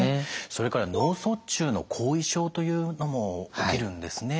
それから脳卒中の後遺症というのも起きるんですね。